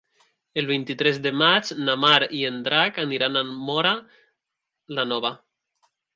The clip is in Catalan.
El vint-i-tres de maig na Mar i en Drac aniran a Móra la Nova.